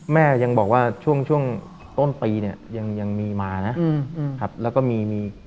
แม่ยังบอกว่าช่วงช่วงต้นปีเนี่ยยังมีมานะครับแล้วก็มีมี